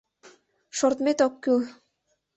Шортмет ок кӱл.